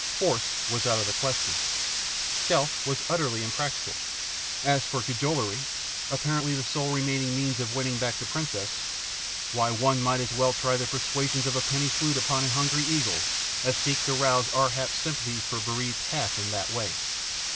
Force was out of the question; stealth was utterly impractical; as for cajolery, apparently the sole remaining means of winning back the Princess why, one might as well try the persuasion of a penny flute upon a hungry eagle as seek to rouse Ar hap's sympathies for bereaved Hath in that way.